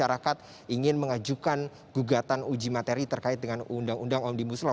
tidak ada yang mengajukan gugatan uji materi terkait dengan undang undang omnibus law